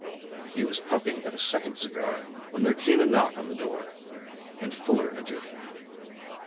He was puffing at a second cigar when there came a knock on the door, and Fuller entered.